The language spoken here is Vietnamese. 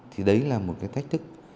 thì đấy là một cái thách thức